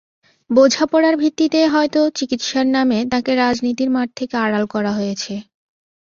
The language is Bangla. বোঝাপড়ার ভিত্তিতেই হয়তো চিকিৎসার নামে তাঁকে রাজনীতির মাঠ থেকে আড়াল করা হয়েছে।